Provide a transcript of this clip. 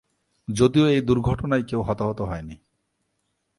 যদিও এই দুর্ঘটনায় কেউ হতাহত হয়নি।